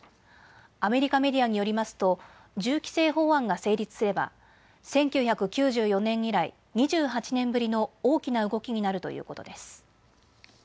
アメリカメディアによりますと銃規制法案が成立すれば１９９４年以来、２８年ぶりの大きな動きになるということです。